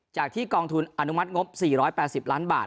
จากที่กองทุนอนุมัติงบ๔๘๐ล้านบาท